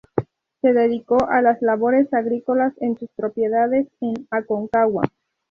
Se dedicó a las labores agrícolas en sus propiedades en Aconcagua.